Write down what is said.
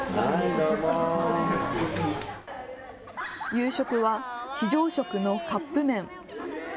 夕食は非常食のカップ麺。